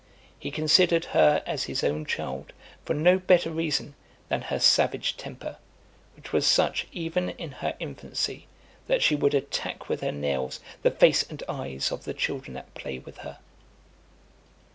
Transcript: He considered her as his own child for no better reason than her savage temper, which was such even in her infancy, that she would attack with her nails the face and eyes of the children at play with her.